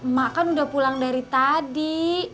mak kan udah pulang dari tadi